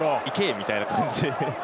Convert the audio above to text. みたいな感じで。